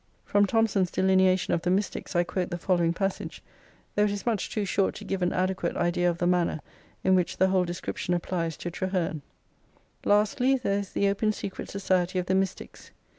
From Thomson's delineation of the Mystics I quote the following passage, though it is much too short to, give an adequate idea of the manner in which the whole description applies to Traheme :— ••Lastly there is the Open Secret Society of the Mystics.